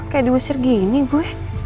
kayak diusir gini bu